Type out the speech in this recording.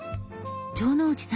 城之内さん